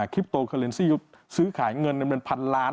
คลิปโตคาเลนซี่ซื้อขายเงินเป็นพันล้าน